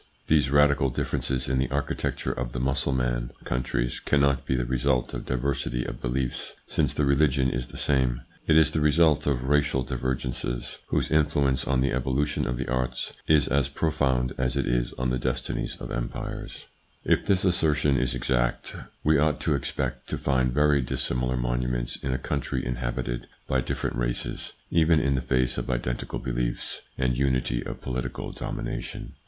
These radical differences in the architecture of the Mussulman countries cannot be the result of diversity of beliefs, since the religion is the same ; it is the result of racial divergencies whose influence on the evolution of the arts is as profound as it is on the destinies of empires. ii2 THE PSYCHOLOGY OF PEOPLES: If this assertion is exact, we ought to expect to find very dissimilar monuments in a country inhabited by different races, even in the face of identical beliefs and unity of political domination.